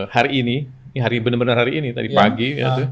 hari ini hari benar benar hari ini tadi pagi